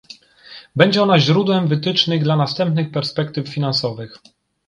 Będzie ona źródłem wytycznych dla następnych perspektyw finansowych